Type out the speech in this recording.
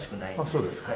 あっそうですか。